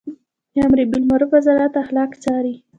د امربالمعروف وزارت اخلاق څاري